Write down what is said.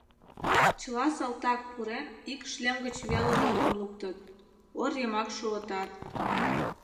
Чыла салтак, пурен, ик шлем гыч веле рокым луктыт — ор йымак шуытат.